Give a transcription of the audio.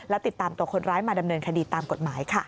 และติดตามตัวคนร้ายมาดำเนินคดีตามกฎหมายค่ะ